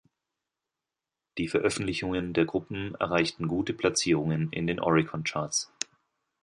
Die Veröffentlichungen der Gruppen erreichten gute Platzierungen in den Oricon-Charts.